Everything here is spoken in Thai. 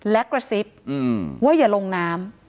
และกระซิบว่าอย่าลงน้ำ